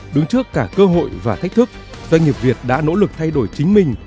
đứng trước cả cơ hội và thách thức doanh nghiệp việt đã nỗ lực thay đổi chính mình